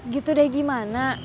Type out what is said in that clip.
gitu deh gimana